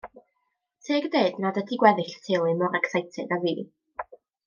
Teg deud nad ydi gweddill y teulu mor ecseited â fi.